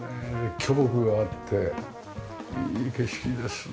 巨木があっていい景色ですね。